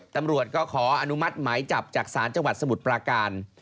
ตำรวจก็ขออนุมัติหมายจับจากศาลจังหวัดสมุทรปราการ